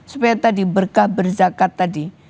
supaya tadi berkah berzakat tadi